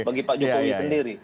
bagi pak jokowi sendiri